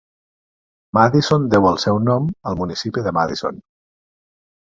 Madison deu el seu nom al municipi de Madison.